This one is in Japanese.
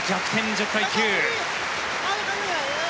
１０対９。